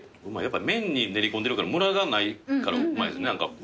麺に練り込んでるからむらがないからうまいですね。